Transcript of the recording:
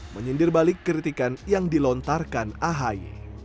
menyindir balik kritikan yang dilontarkan ahy